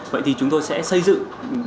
vậy thì chúng tôi sẽ xây dựng